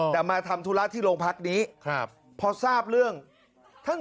แต่มาทำธุระที่โรงพักนี้ครับพอทราบเรื่องท่าน